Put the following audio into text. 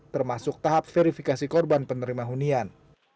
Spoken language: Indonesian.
termasuk tahap verifikasi korban penerima hunian